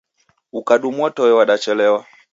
Ukadumwa toe wadachelewa